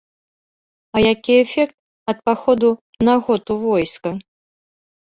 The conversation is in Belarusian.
А які эфект ад паходу на год у войска?